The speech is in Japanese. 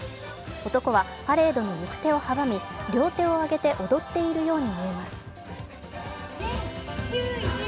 男はパレードの行く手を阻み、両手を挙げて踊っているように見えます。